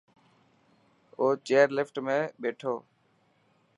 او چئر لفٽ ۾ ٻيٺو.